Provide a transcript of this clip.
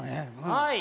はい。